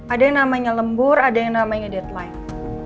ada yang namanya lembur ada yang namanya deadline